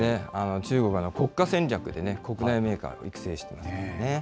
中国は国家戦略で国内メーカーを育成していますからね。